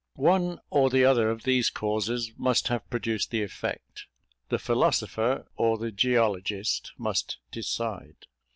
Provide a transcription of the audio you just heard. One or the other of these causes must have produced the effect. The philosopher, or the geologist, must decide.